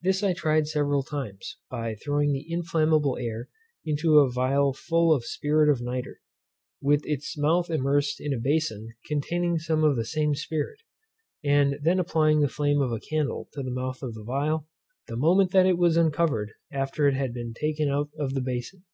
This I tried several times, by throwing the inflammable air into a phial full of spirit of nitre, with its mouth immersed in a bason containing some of the same spirit, and then applying the flame of a candle to the mouth of the phial, the moment that it was uncovered, after it had been taken out of the bason.